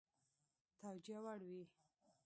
توجیه وړ وي.